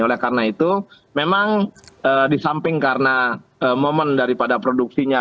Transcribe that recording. oleh karena itu memang di samping karena momen daripada produksinya